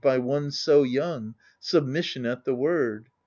By one so young, submission at the word.